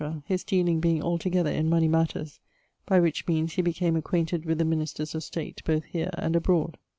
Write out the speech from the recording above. his dealing being altogether in money matters: by which meanes he became acquainted with the ministers of state both here and abroad.